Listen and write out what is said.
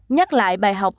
nhắc lại bài học